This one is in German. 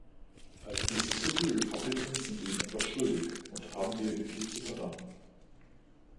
Als Mississippi Republicans sind wir ihm etwas schuldig, und haben wir ihm viel zu verdanken.